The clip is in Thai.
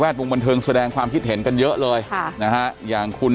วงบันเทิงแสดงความคิดเห็นกันเยอะเลยค่ะนะฮะอย่างคุณ